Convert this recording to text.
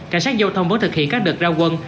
cảnh sát giao thông mới thực hiện các đợt ra quân